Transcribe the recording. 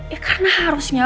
eh karena harusnya